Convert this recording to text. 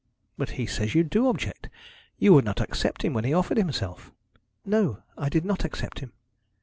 'But he says you do object. You would not accept him when he offered himself.' 'No; I did not accept him.'